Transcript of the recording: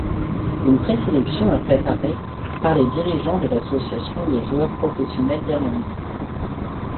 Une présélection est préparée par les dirigeants de l’association des joueurs professionnels d’Irlande.